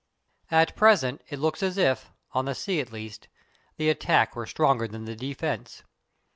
At present it looks as if, on the sea at least, the attack were stronger than the defence.